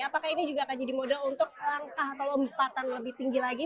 apakah ini juga akan jadi model untuk langkah atau lompatan lebih tinggi lagi